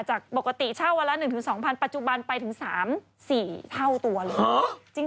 จากปกติเช่าวันละ๑๒๐๐ปัจจุบันไปถึง๓๔เท่าตัวเลย